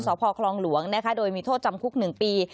สวพครองหลวงด้วยทอดจำคุก๑ปี